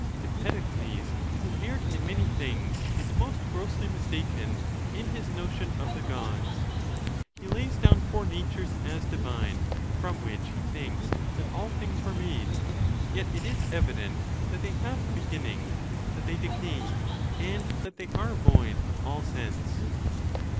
XII. Empedocles, who erred in many things, is most grossly mistaken in his notion of the Gods. He lays down four natures' as divine, from which he thinks that all things were made. Yet it is evident that they have a be ginning, that they decay, and that they are void of all sense.